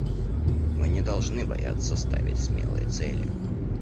Мы не должны бояться ставить смелые цели.